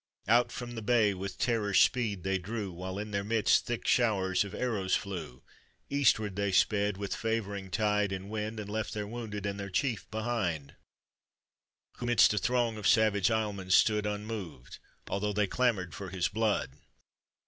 Out from the bay with terror's speed they drew. While in their midst thick showers of arrow* flew; Eastward they sped, with favoring tide and wind. And left their wounded and their chief behind, Who, 'midst a throng of savage Islesmen utoud Unmoved, although they clamored for hi* blood.